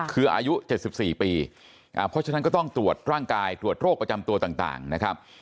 คืออายุ๗๔ปีเพราะฉะนั้นก็ต้องตรวจร่างกายตรวจโรคประจำตัวต่างนะครับ